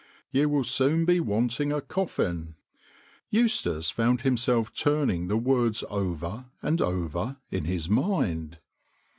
" You will soon be wanting a coffin 1 " Eustace found himself turning the words over and over in his mind.